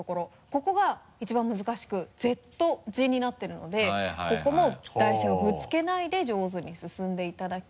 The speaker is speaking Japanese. ここが一番難しく「Ｚ」字になっているのでここも台車をぶつけないで上手に進んでいただき。